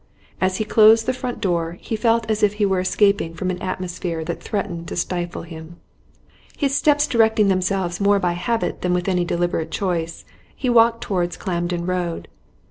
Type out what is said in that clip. As he closed the front door he felt as if he were escaping from an atmosphere that threatened to stifle him. His steps directing themselves more by habit than with any deliberate choice, he walked towards Camden Road.